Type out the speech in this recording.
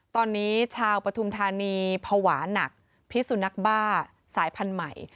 ตอนนี้ชาวปฐุมธานีภาวะหนักพิสุนักบ้าสายพันธุ์ใหม่